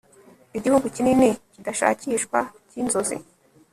Igihugu kinini kidashakishwa cyinzozi